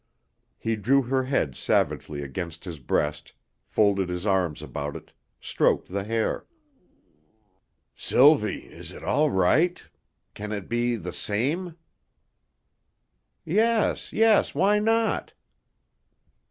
He drew her head savagely against his breast, folded his arms about it, stroked the hair. "Sylvie! Is it all right? Can it be the same?" "Yes, yes, why not?"